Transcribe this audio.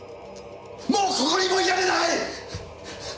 もうここにもいられない！